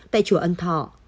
tại chùa ân thọ